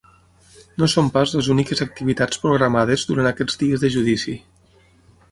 No són pas les úniques activitats programades durant aquests dies de judici.